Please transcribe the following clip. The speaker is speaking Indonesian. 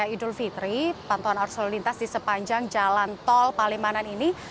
saya idul fitri pantauan arsul lintas di sepanjang jalan tol palimanan ini